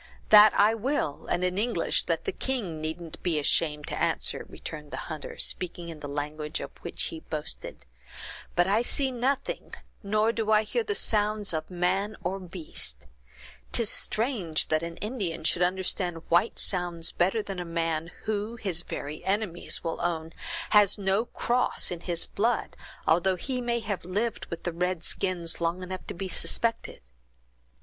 "That I will, and in English that the king needn't be ashamed to answer," returned the hunter, speaking in the language of which he boasted; "but I see nothing, nor do I hear the sounds of man or beast; 'tis strange that an Indian should understand white sounds better than a man who, his very enemies will own, has no cross in his blood, although he may have lived with the red skins long enough to be suspected!